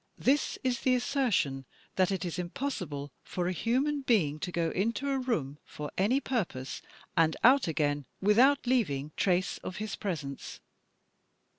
This is the assertion that it is impossible for a hiunan being to go into a room for any purpose and out again without leaving trace of his pres ence.